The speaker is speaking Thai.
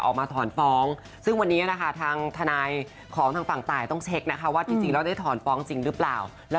ของทางศาลต้องเช็คนะคะว่าจริงแล้วได้ถ่อนฟ้องจริงหรือเปล่า